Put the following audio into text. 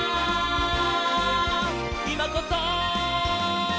「いまこそ！」